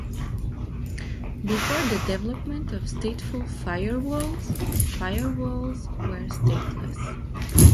Before the development of stateful firewalls, firewalls were "stateless".